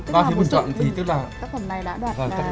ba phiếu bình chọn tức là tác phẩm này đã đoạt giải nhì